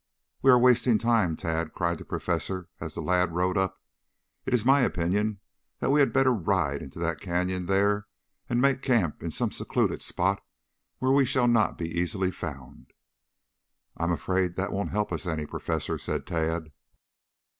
"We are wasting time, Tad," cried the professor as the lad rode up. "It is my opinion that we had better ride into that canyon there and make camp in some secluded spot where we shall not be easily found." "I am afraid that won't help us any, Professor," said Tad.